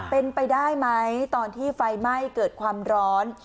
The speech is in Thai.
เป็นไปได้ไหมตอนที่ไฟไหม้เกิดความร้อน